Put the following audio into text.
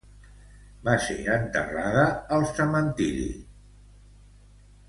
Va ser enterrada al Cementiri Presbítero Maestro.